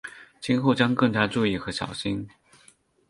今后将更加注意和小心。